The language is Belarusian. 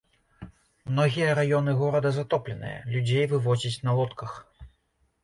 Многія раёны горада затопленыя, людзей вывозяць на лодках.